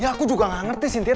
ya aku juga gak ngerti sintia